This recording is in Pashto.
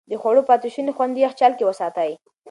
د خوړو پاتې شوني خوندي يخچال کې وساتئ.